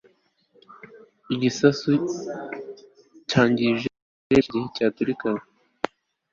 Igisasu cyangije byinshi igihe cyaturikaga